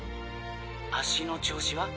脚の調子は？